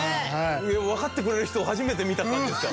わかってくれる人初めて見た感じですか？